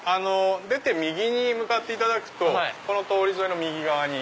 出て右に向かっていただくとこの通り沿いの右側に。